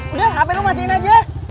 udah hp lu matiin aja